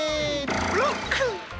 ロック！